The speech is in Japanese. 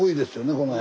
この辺。